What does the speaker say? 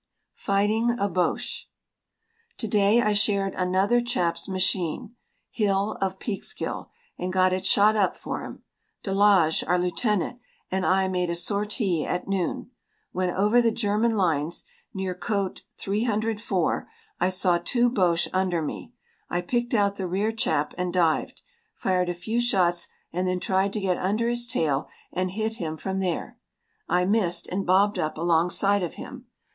FIGHTING A BOCHE To day I shared another chap's machine (Hill of Peekskill), and got it shot up for him. De Laage (our lieutenant) and I made a sortie at noon. When over the German lines, near Côte 304, I saw two Boches under me. I picked out the rear chap and dived. Fired a few shots and then tried to get under his tail and hit him from there. I missed, and bobbed up alongside of him.